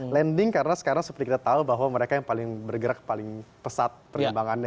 lending karena sekarang seperti kita tahu bahwa mereka yang paling bergerak paling pesat perkembangannya